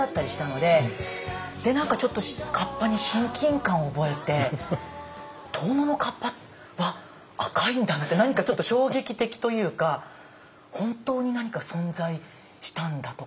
で何かちょっと河童に親近感を覚えて遠野の河童うわっ赤いんだ！なんて何かちょっと衝撃的というか本当に何か存在したんだとか。